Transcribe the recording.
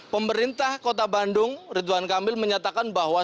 pemerintah kota bandung ridwan kamil menyatakan bahwa